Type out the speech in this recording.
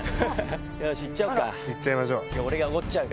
よし、行っちゃおうか。